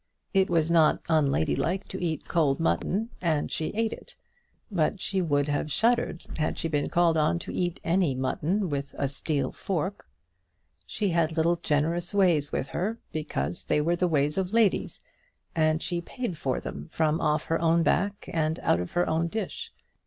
It was not unlady like to eat cold mutton, and she ate it. But she would have shuddered had she been called on to eat any mutton with a steel fork. She had little generous ways with her, because they were the ways of ladies, and she paid for them from off her own back and out of her own dish.